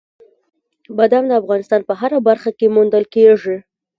بادام د افغانستان په هره برخه کې موندل کېږي.